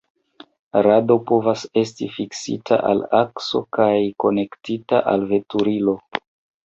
Rado povas esti fiksita al akso kaj konektita al veturilo.